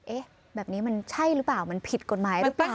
เอ๊ะแบบนี้มันใช่หรือเปล่ามันผิดกฎหมายหรือเปล่า